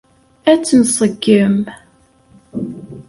Ad tt-nṣeggem.